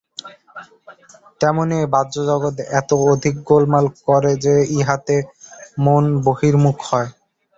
তেমনি এই বাহ্য জগৎ এত অধিক গোলমাল করে যে, ইহাতে মন বহির্মুখ হয়।